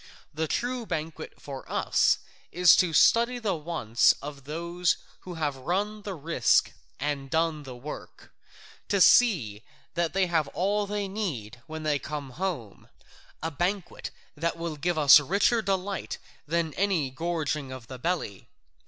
The true banquet for us is to study the wants of those who have run the risk and done the work, to see that they have all they need when they come home, a banquet that will give us richer delight than any gorging of the belly.